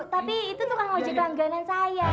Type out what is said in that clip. tapi itu tukang moji kelangganan saya